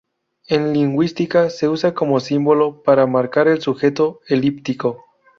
En lingüística se usa como símbolo para marcar el sujeto elíptico.